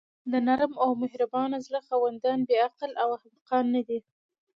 د نرم او مهربانه زړه خاوندان بې عقله او احمقان ندي.